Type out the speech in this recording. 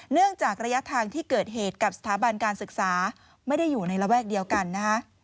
เนื่องจากระยะทางที่เกิดเหตุกับสถาบันการศึกษาไม่ได้อยู่ในระแวกเดียวกันนะคะ